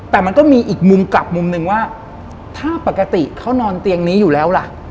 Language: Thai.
แต่มันก็มีอีกมุมกลับมุมหนึ่งว่าถ้าปกติเขานอนเตียงนี้อยู่แล้วล่ะ